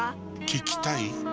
聞きたい？